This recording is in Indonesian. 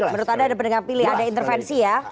menurut anda ada pendengar pilih ada intervensi ya